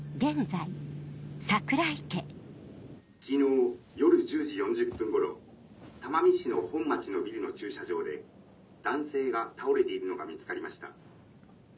昨日夜１０時４０分頃珠海市の本町のビルの駐車場で男性が倒れているのが見つかりました。